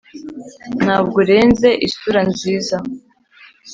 ntabwo urenze isura nziza.